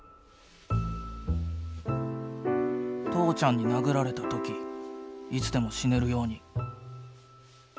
「父ちゃんに殴られた時いつでも死ねるように」。